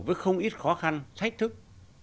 với không ít khó khăn thách thức